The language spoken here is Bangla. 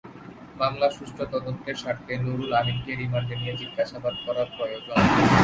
মামলার সুষ্ঠু তদন্তের স্বার্থে নুরুল আমিনকে রিমান্ডে নিয়ে জিজ্ঞাসাবাদ করা প্রয়োজন।